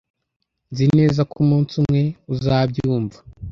Nzi neza ko umunsi umwe uzabyumva.